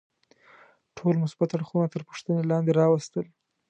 ټول مثبت اړخونه تر پوښتنې لاندې راوستل.